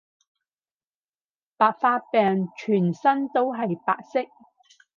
白化病全身都係白色